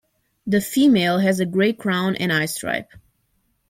The female has a grey crown and eyestripe.